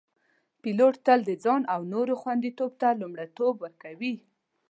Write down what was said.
پیلوټ تل د ځان او نورو خوندیتوب ته لومړیتوب ورکوي.